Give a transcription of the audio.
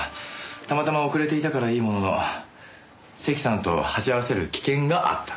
たまたま遅れていたからいいものの関さんと鉢合わせる危険があった。